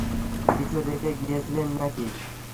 কিছু রেখে গিয়েছিলে নাকি?